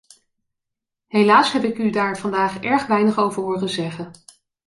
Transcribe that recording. Helaas heb ik u daar vandaag erg weinig over horen zeggen.